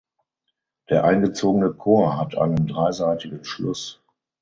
Der eingezogene Chor hat einen dreiseitigen Schluss.